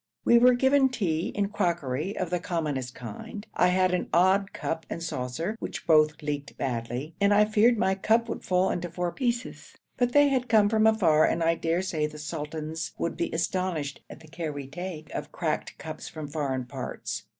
We were given tea in crockery of the commonest kind; I had an odd cup and saucer which both leaked badly, and I feared my cup would fall into four pieces, but they had come from afar, and I dare say the sultans would be astonished at the care we take of cracked cups from foreign parts.